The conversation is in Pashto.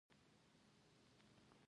مېز د لرګي ښه کار ښکاروي.